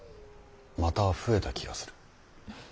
また増えた気がする。